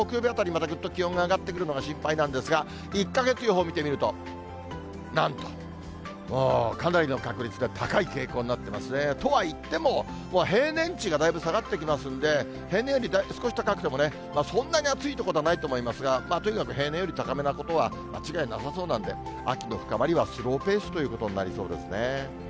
また、ぐっと気温が上がってくるのが心配なんですが、１か月予報見てみると、なんと、かなりの確率で高い傾向になってますね。とはいっても、平年値がだいぶ下がってきますんで、平年より少し高くてもね、そんなに暑いということはないと思いますが、とにかく平年より高めなことは間違いなさそうなんで、秋の深まりはスローペースということになりそうですね。